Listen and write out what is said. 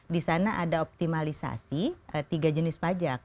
di sana ada optimalisasi tiga jenis pajak